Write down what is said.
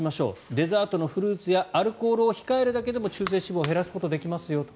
デザートのフルーツやアルコールを控えるだけでも中性脂肪を減らすことができますよと。